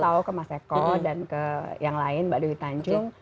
saya mau ke mas eko dan ke yang lain mbak dwi tanjung